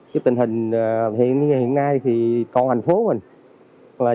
cái tình hình hiện nay thì còn hành phố rồi